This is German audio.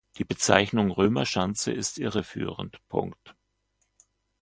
Die Bezeichnung Römerschanze ist irreführend.